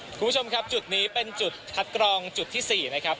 คุณผู้ชมครับจุดนี้เป็นจุดคัดกรองจุดที่๔นะครับ